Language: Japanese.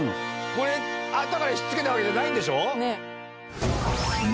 これあとから引っ付けたわけじゃないんでしょ？